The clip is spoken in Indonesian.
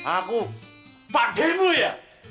aku pakdemu ya